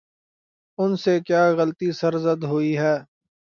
ان سے کیا غلطی سرزد ہوئی ہے؟